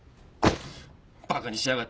バカにしやがって！